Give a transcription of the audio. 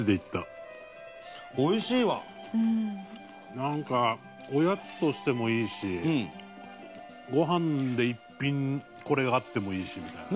なんかおやつとしてもいいしごはんで一品これがあってもいいしみたいな。